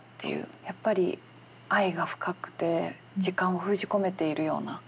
やっぱり愛が深くて時間を封じ込めているような感じがして。